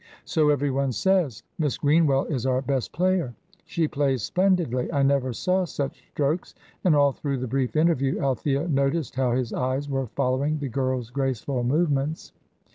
"So every one says. Miss Greenwell is our best player." "She plays splendidly. I never saw such strokes;" and all through the brief interview Althea noticed how his eyes were following the girl's graceful movements.